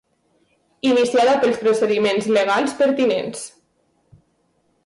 Iniciada pels procediments legals pertinents.